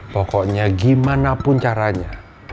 pokoknya gimana pun caranya